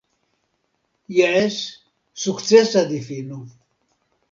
Jes, sukcesa difino.